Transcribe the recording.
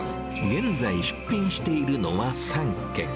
現在、出品しているのは３軒。